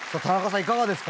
いかがですか？